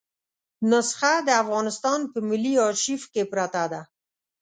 نسخه د افغانستان په ملي آرشیف کې پرته ده.